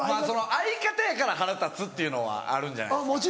相方やから腹立つっていうのはあるんじゃないですか？